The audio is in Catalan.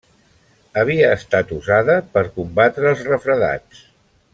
Havia estat usada per combatre els refredats.